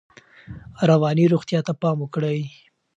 رواني روغتیا ته پام وکړئ.